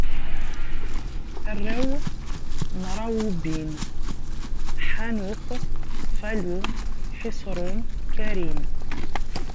Arraw n Rawubin: Ḥanux, Falu, Ḥiṣrun, Karmi.